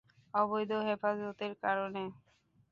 অবৈধ হেফাজতের কারণে?